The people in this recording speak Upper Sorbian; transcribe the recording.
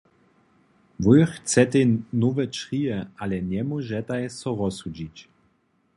Wój chcetej nowe črije, ale njemóžetej so rozsudźić.